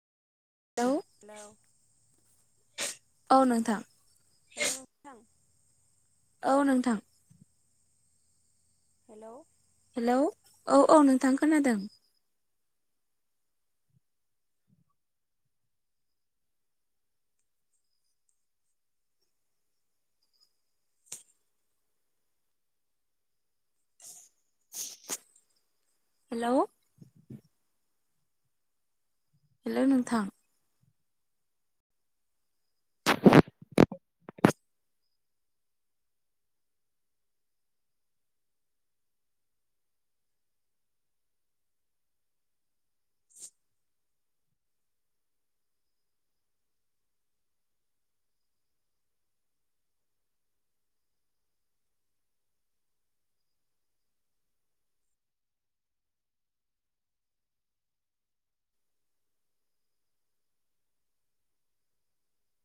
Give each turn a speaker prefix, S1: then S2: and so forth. S1: Hello
S2: औ।
S1: औ नोंथां।
S2: हेल' नोंथां।
S1: औ नोंथां।
S2: हेल'।
S1: हेलौ औ औ नोंथां खोनादों। हेल'। हेल' नोंथां।